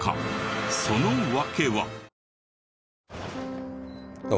その訳は？